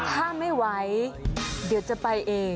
ถ้าไม่ไหวเดี๋ยวจะไปเอง